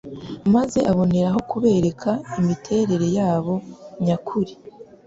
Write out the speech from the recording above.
maze aboneraho kubereka imiterere yabo nyakuri